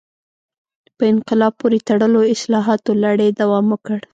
په انقلاب پورې تړلو اصلاحاتو لړۍ دوام وکړ.